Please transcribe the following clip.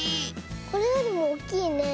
これよりもおっきいね。